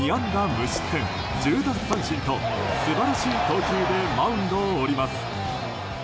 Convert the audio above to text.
無失点１０奪三振と素晴らしい投球でマウンドを降ります。